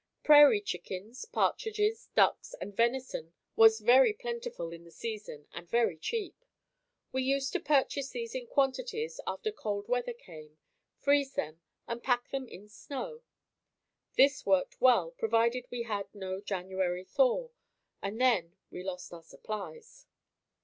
Prairie chickens, partridges, ducks and venison was very plentiful in the season and very cheap. We used to purchase these in quantities after cold weather came, freeze them and pack them in snow. This worked well provided we had no "January thaw" and then we lost our supplies.